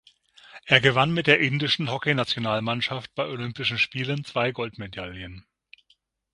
Er gewann mit der indischen Hockeynationalmannschaft bei Olympischen Spielen zwei Goldmedaillen.